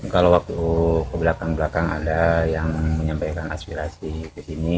kalau waktu kebelakang belakang ada yang menyampaikan aspirasi kesini